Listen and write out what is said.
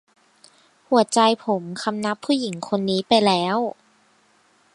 หัวใจผมคำนับผู้หญิงคนนี้ไปแล้ว